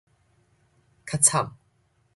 較慘